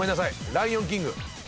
ライオンキング。